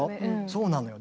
そうなのよ。